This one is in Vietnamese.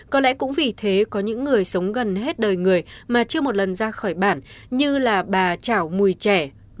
có lẽ cũng vì thế có những người sống gần hết đời người mà chưa một lần ra khỏi bản như là bà trảo mùi trẻ